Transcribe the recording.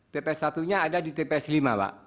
tps satunya ada di tps lima pak